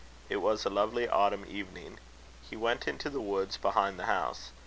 It was a lovely autumn evening. He went into the woods behind the house.